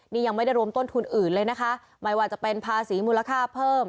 นี่ยังไม่ได้รวมต้นทุนอื่นเลยนะคะไม่ว่าจะเป็นภาษีมูลค่าเพิ่ม